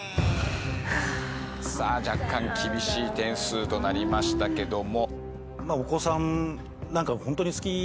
さあ若干厳しい点数となりましたけども。